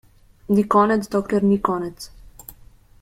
Ni konec, dokler ni konec.